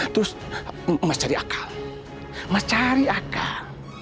terus mas cari akal mas cari akal